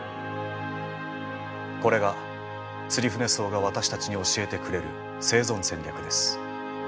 これがツリフネソウが私たちに教えてくれる生存戦略です。